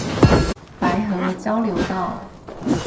白河交流道